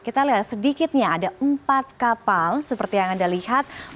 kita lihat sedikitnya ada empat kapal seperti yang anda lihat